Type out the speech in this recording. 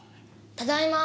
ただいま。